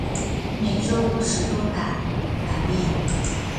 每周五十多版版面。